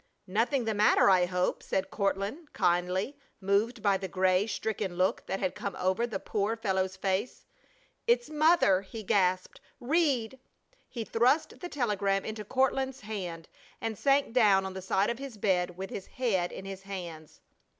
"Nothing the matter, I hope," said Courtland, kindly, moved by the gray, stricken look that had come over the poor fellow's face. "It's mother!" he gasped. "Read!" He thrust the telegram into Courtland's hand and sank down on the side of his bed with his head in his hands.